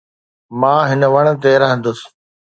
مان هن وڻ تي رهندس.